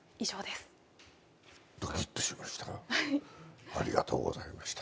ドキッとしました。